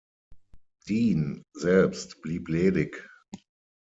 Dean selbst blieb ledig.